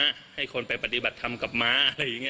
โชคมาให้คนไปปฏิบัติทำกับหมา